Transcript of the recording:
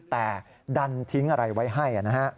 แต่ดันทิ้งอะไรไว้ให้นะฮะ